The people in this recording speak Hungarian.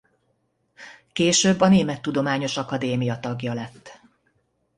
Később a Német Tudományos Akadémia tagja lett.